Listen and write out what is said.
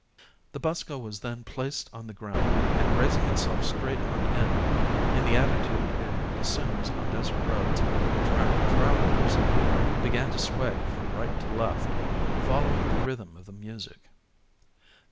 "The buska was then placed on the ground, and raising itself straight on end, in the attitude it assumes on desert roads to attract travelers, began to sway from right to left, following the rhythm of the music.